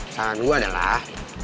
saran gue adalah